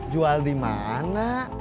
jual di mana